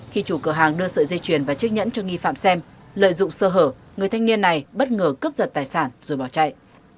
khi chủ cửa hàng đưa sợi dây chuyền và chiếc nhẫn cho nghi phạm xem lợi dụng sơ hở người thanh niên này bất ngờ cướp giật tài sản rồi bỏ chạy